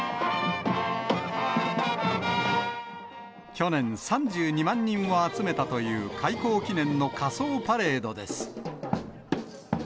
去年、３２万人を集めたという開港記念の仮装パレードです。